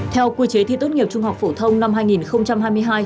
theo quy chế thi tốt nghiệp trung học phổ thông năm hai nghìn hai mươi hai